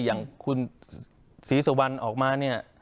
อย่างคุณศรีสุวรรณออกมาเนี่ย